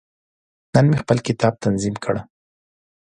نن مې خپل کتاب تنظیم کړ.